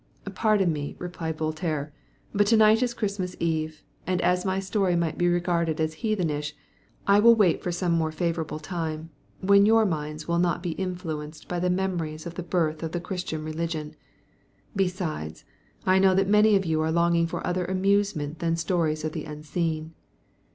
"Pardon me," replied Voltaire, "but tonight is Christmas Eve, and as my story might be regarded as heathenish, I will wait for some more favourable time, when your minds will not be influenced by the memories of the birth of the Christian religion. Besides, I know many of you are longing for other amusement than stories of the unseen."